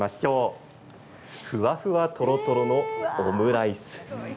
ふわふわとろとろのオムライス